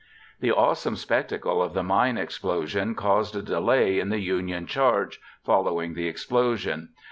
The awesome spectacle of the mine explosion caused a delay in the Union charge following the explosion.